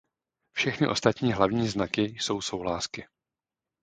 Všechny ostatní hlavní znaky jsou souhlásky.